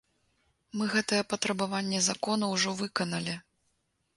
Мы гэтае патрабаванне закона ўжо выканалі.